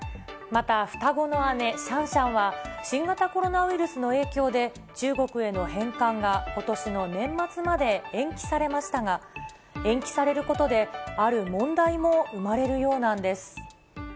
また双子の姉、シャンシャンは、新型コロナウイルスの影響で、中国への返還がことしの年末まで延期されましたが、延期されることで、ある問題も生まれるようなんです。